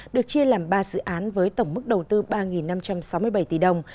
được chia làm ba dự án với tổng mức đầu tư ba năm trăm sáu mươi bảy tỷ đồng